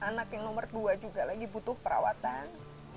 anak yang nomor dua juga lagi butuh perawatan